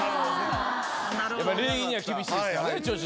礼儀には厳しいですからね。